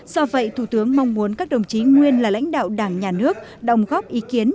do vậy thủ tướng mong muốn các đồng chí nguyên là lãnh đạo đảng nhà nước đồng góp ý kiến